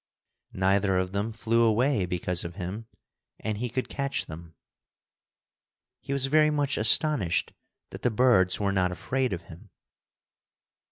Neither of them flew away because of him, and he could catch them. He was very much astonished that the birds were not afraid of him.